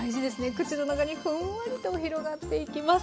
口の中にふんわりと広がっていきます。